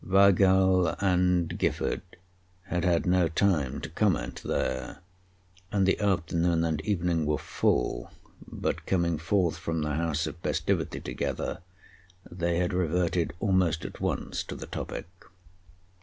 Weigall and Gifford had had no time to comment there, and the afternoon and evening were full; but, coming forth from the house of festivity together, they had reverted almost at once to the topic.